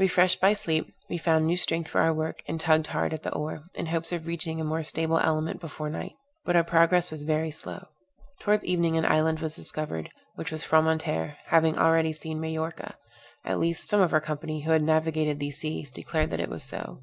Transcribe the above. Refreshed by sleep, we found new strength for our work, and tugged hard at the oar, in hopes of reaching a more stable element before night. But our progress was very slow. Towards evening an island was discovered, which was Fromentere, having already seen Majorca; at least, some of our company, who had navigated these seas, declared that it was so.